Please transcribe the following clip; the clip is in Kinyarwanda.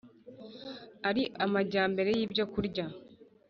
Ari amajyambere y'ibyo kurya